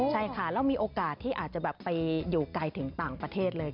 ใช่ค่ะแล้วมีโอกาสที่อาจจะแบบไปอยู่ไกลถึงต่างประเทศเลย